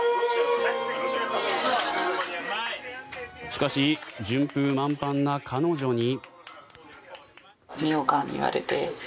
しかし順風満帆な彼女に。